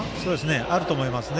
あると思いますね。